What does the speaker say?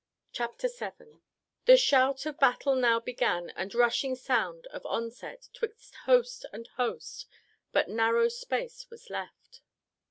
Chapter VII The shout Of battle now began, and rushing sound Of onset ... 'Twixt host and host but narrow space was left.